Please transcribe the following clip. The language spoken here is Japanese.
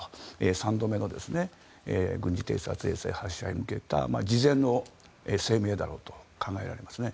３度目の軍事偵察衛星発射へ向けた事前の声明だろうと考えられますね。